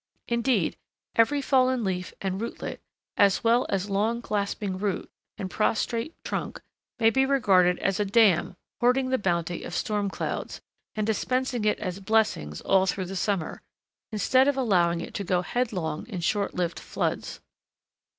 Indeed, every fallen leaf and rootlet, as well as long clasping root, and prostrate trunk, may be regarded as a dam hoarding the bounty of storm clouds, and dispensing it as blessings all through the summer, instead of allowing it to go headlong in short lived floods.